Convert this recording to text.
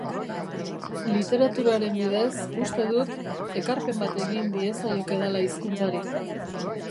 Literaturaren bidez, uste dut, ekarpen bat egin diezaiokedala hizkuntzari.